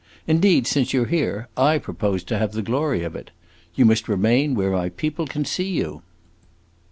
Indeed, since you 're here, I propose to have the glory of it. You must remain where my people can see you."